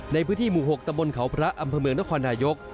ในพื้นที่หมู่หกตะมนต์เขาพระอำภาเมืองทะคอนนายก